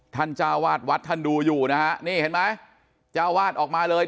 จ้าวาดวัดท่านดูอยู่นะฮะนี่เห็นไหมเจ้าวาดออกมาเลย